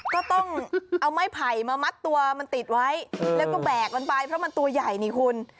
ก็ต้องเอาไม้ไผ่มามัดตัวมันติดไว้แล้วก็แบกมันไปเพราะมันตัวใหญ่นี่คุณ